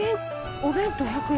お弁当１００円。